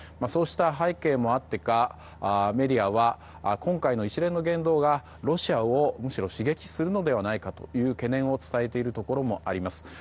そうした背景もあってかメディアは今回の一連の言動がロシアをむしろ刺激するのではと懸念を伝えているところもあります。